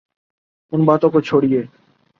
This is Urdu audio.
ان باتوں کو چھوڑئیے۔